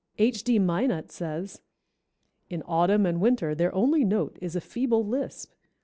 H. D. Minot says, "In autumn and winter their only note is a feeble lisp.